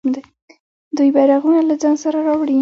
دوی بیرغونه له ځان سره راوړي.